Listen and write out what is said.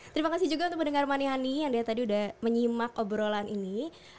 terima kasih juga untuk mendengar manihani yang dia tadi sudah menyimak obrolan ini